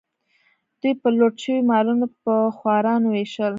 دوی به لوټ شوي مالونه په خوارانو ویشل.